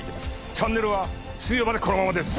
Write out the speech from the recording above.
チャンネルは水曜までこのままです。